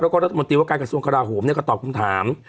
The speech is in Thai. แล้วก็รัฐมนตรีว่าการกระทรวงกราโหมก็ตอบคำถาม